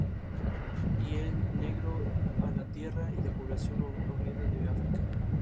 Y el negro, a la tierra y a la población oriunda de África.